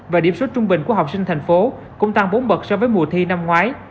và điểm số trung bình của học sinh thành phố cũng tăng bốn bậc so với mùa xuân